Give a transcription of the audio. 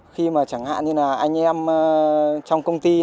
khi mà chẳng hạn như là anh em trong công ty